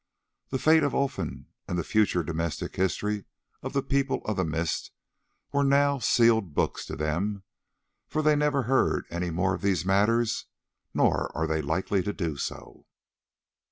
The fate of Olfan and the further domestic history of the People of the Mist were now sealed books to them, for they never heard any more of these matters, nor are they likely to do so.